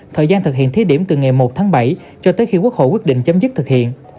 thời gian thực hiện thí điểm từ ngày một tháng bảy cho tới khi quốc hội quyết định chấm dứt thực hiện